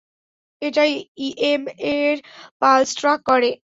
এটাই ইএমের pulse track করে।